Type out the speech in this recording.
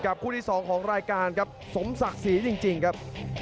คู่ที่๒ของรายการครับสมศักดิ์ศรีจริงครับ